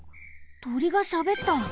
とりがしゃべった。